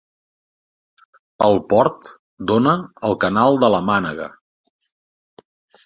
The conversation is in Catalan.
El port dóna al canal de la Mànega.